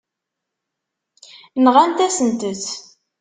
Nɣant-asent-t.